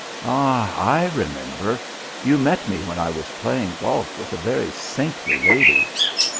"Ah, I remember. You met me when I was playing golf with a very saintly lady.